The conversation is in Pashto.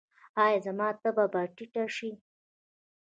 ایا زما تبه به ټیټه شي؟